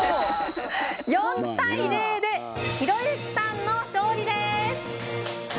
４対０でひろゆきさんの勝利です！